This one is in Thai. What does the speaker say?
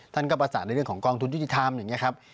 ท่านก็ประสานในเรื่องของกองทุนยุติธรรมอย่างนี้ครับ